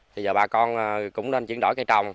thì giờ bà con cũng nên chuyển đổi cây trồng